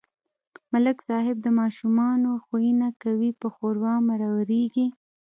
ملک صاحب د ماشومانو خویونه کوي په ښوراو مرورېږي.